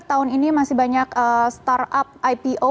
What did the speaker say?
tahun ini masih banyak start up ipo